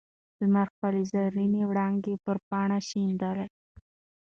لمر خپلې زرینې وړانګې پر پاڼه شیندي.